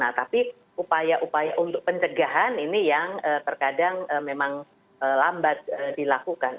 nah tapi upaya upaya untuk pencegahan ini yang terkadang memang lambat dilakukan